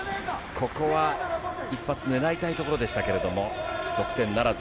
ここは一発、ねらいたいところでしたけれども、得点ならず。